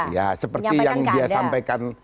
ya seperti yang dia sampaikan